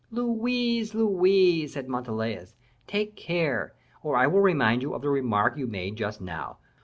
"Louise, Louise," said Montalais, "take care or I will remind you of the remark you made just now.